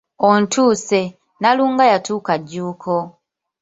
Ontuuse, Nnalunga yatuuka Jjuuko.